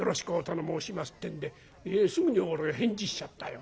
ってんですぐに返事しちゃったよ。